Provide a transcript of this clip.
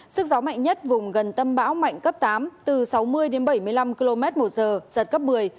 sức gió mạnh nhất vùng gần tâm bão mạnh cấp tám từ sáu mươi đến bảy mươi năm km một giờ giật cấp một mươi